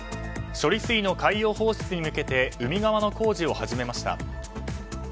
処理水の海洋放出に向けて海側の工事を始めました。